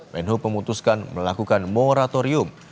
menhub memutuskan melakukan moratorium